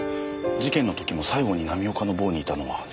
事件の時も最後に浪岡の房にいたのは佐野先生。